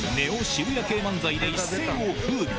渋谷系漫才で一世をふうび。